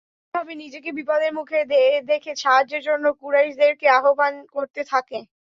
সে এভাবে নিজেকে বিপদের মুখে দেখে সাহায্যের জন্য কুরাইশদেরকে আহবান করতে থাকে।